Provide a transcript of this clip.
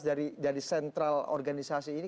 dari sentral organisasi ini